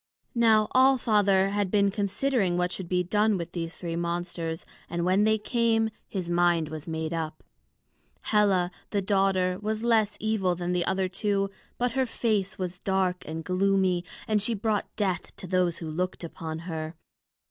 Now All Father had been considering what should be done with the three monsters, and when they came, his mind was made up. Hela, the daughter, was less evil than the other two, but her face was dark and gloomy, and she brought death to those who looked upon her.